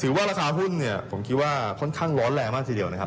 ว่าราคาหุ้นเนี่ยผมคิดว่าค่อนข้างร้อนแรงมากทีเดียวนะครับ